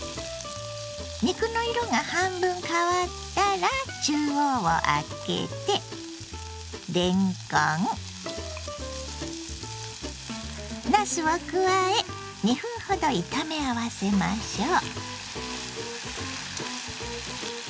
肉の色が半分変わったら中央をあけてれんこんなすを加え２分ほど炒め合わせましょう。